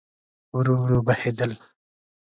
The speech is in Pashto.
ورو، ورو بهیدله